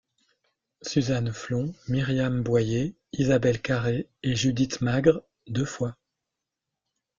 Suzanne Flon, Myriam Boyer, Isabelle Carré et Judith Magre deux fois.